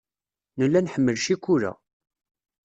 Nella nḥemmel ccikula.